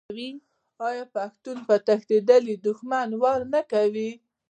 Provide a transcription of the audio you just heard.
آیا پښتون په تښتیدلي دښمن وار نه کوي؟